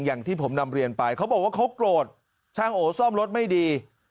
อย่างที่ผมนำเรียนไปเขาบอกว่าเขาโกรธช่างโอซ่อมรถไม่ดี